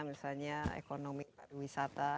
misalnya ekonomi wisata